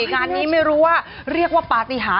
งานนี้ไม่รู้ว่าเรียกว่าปฏิหาร